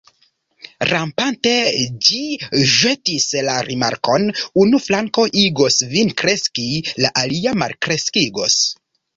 Rampante, ĝi ĵetis la rimarkon: "Unu flanko igos vin kreski, la alia malkreskigos. »